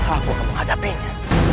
aku akan menghadapinya